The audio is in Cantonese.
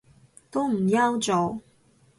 都唔憂做